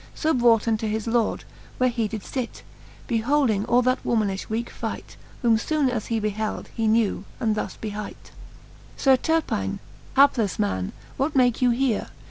So brought unto his lord, where he did fit. Beholding all that womanilh weake fight ; Whom Ibone as he beheld, he knew, and thus behight ; XXVI. sir Turpine, haplefle man, what make you here